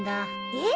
えっ？